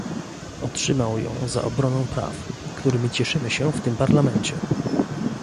Otrzymał ją za obronę praw, którymi cieszymy się w tym Parlamencie